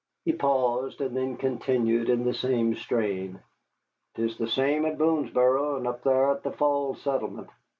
He paused, and then continued in the same strain: "'Tis the same at Boonesboro and up thar at the Falls settlement.